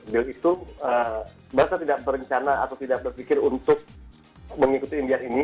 deal itu mas ade tidak berencana atau tidak berpikir untuk mengikuti indian ini